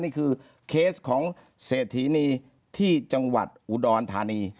นี่คือเคสของเศรษฐีนีที่จังหวัดอุดรธานี